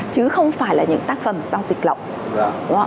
chứ không phải là những tác phẩm giao dịch lọc